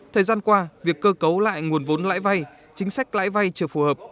thời gian qua việc cơ cấu lại nguồn vốn lãi vay chính sách lãi vay chưa phù hợp